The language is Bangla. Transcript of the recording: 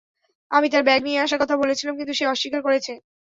আমি তার ব্যাগ নিয়ে আসার কথা বলেছিলাম কিন্তু সে অস্বীকার করেছে।